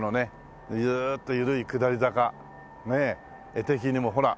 画的にもほら。